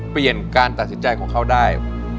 เปลี่ยนการตัดสินใจของเขาได้